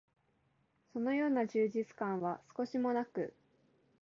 そのような充実感は少しも無く、